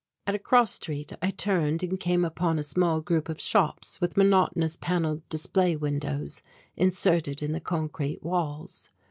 At a cross street I turned and came upon a small group of shops with monotonous panelled display windows inserted in the concrete walls.